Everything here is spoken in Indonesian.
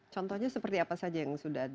contohnya seperti apa saja yang sudah